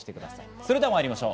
それではさぁ、まいりましょう。